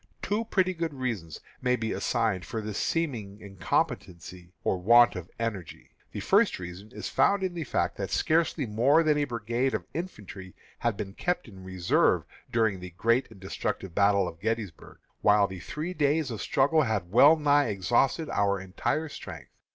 Two pretty good reasons may be assigned for this seeming incompetency or want of energy. The first reason is found in the fact that scarcely more than a brigade of infantry had been kept in reserve during the great and destructive battle of Gettysburg, while the three days of struggle had well nigh exhausted our entire strength.